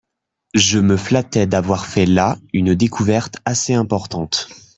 Je me flattais d'avoir fait la une découverte assez importante.